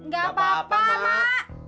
gak apa apa mak